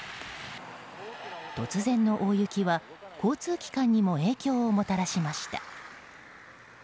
突然の大雪は交通機関にも影響をもたらしました。